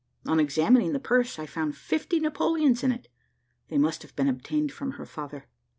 On examining the purse, I found fifty Napoleons in it: they must have been obtained from her father.